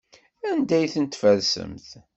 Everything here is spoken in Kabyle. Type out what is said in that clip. Anda ay ten-tfersemt?